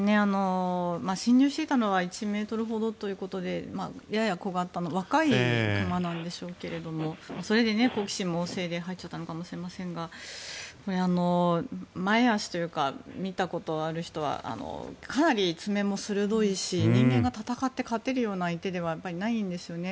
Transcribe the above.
侵入していたのは１ｍほどということでやや小形の若い熊なんでしょうけれどもそれで好奇心もおう盛で入っちゃったのかもしれませんが前足というか見たことある人はかなり爪も鋭いし人間が戦って勝てるような相手ではないんですね。